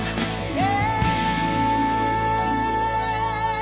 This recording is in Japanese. え。